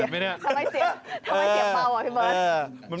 เออทำไมเสียเบาเหรอพี่เบิ้ล